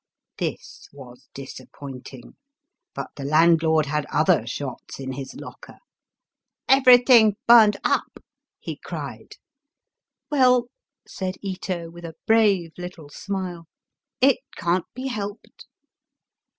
This was disappointing. But the land lord had other shots in his locker. *' Everyting burnt up," he cried. *' WeU," said Ito, with a brave little snule, *'it can't be helped."